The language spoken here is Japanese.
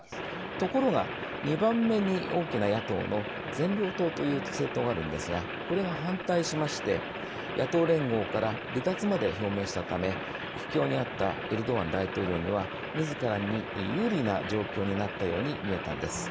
ところが、２番目に大きな野党の善良党という政党があるんですがこれが反対しまして野党連合から離脱まで表明したため苦境にあったエルドアン大統領にはみずからに有利な状況になったように見えたんです。